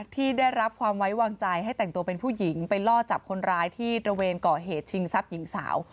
ที่ได้รับความไว้วางใจให้แต่งตัวเป็นผู้หญิงไปล่อจับคนร้ายที่ตระเวนก่อเหตุชิงทรัพย์หญิงสาว